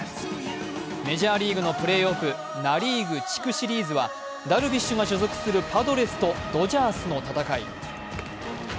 メジャーリーグのプレーオフ、ナ・リーグ地区シリーズはダルビッシュが所属するパドレスとドジャースの戦い。